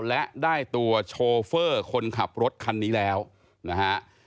และได้ตัวโชเฟอร์คนขับรถคันนี้แล้วนะฮะ